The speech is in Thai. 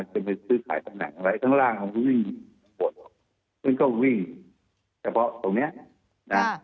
จะไปซื้อขายตำแหน่งอะไรข้างล่างมันก็วิ่งกดซึ่งก็วิ่งเฉพาะตรงเนี้ยนะ